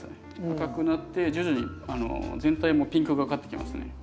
赤くなって徐々に全体もピンクがかってきますね。